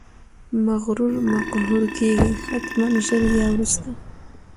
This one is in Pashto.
مغرور مقهور کیږي، حتمأ ژر یا وروسته!